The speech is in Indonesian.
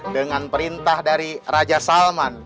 dengan perintah dari raja salman